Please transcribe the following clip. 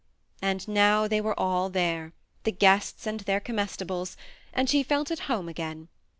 And now they were all there, the guests and their comestibles, and she felt at home again.